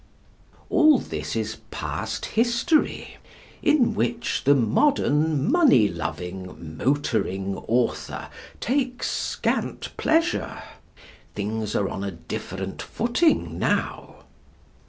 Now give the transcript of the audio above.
All this is past history, in which the modern money loving, motoring author takes scant pleasure. Things are on a different footing now.